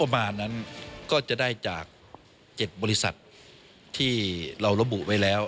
มานั้นก็จะได้จาก๗บริษัทที่เราระบุไว้แล้ว